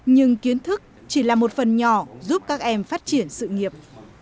nhưng kiến thức chỉ là một phần nhỏ giúp các em phát triển sự nghiệp